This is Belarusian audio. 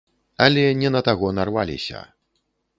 Але не на таго нарваліся.